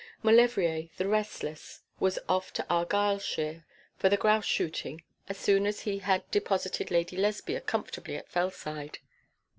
Maulevrier, the restless, was off to Argyleshire for the grouse shooting as soon as he had deposited Lady Lesbia comfortably at Fellside.